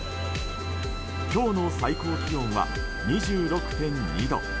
今日の最高気温は２６．２度。